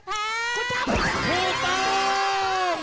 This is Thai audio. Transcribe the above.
ถูกต้อง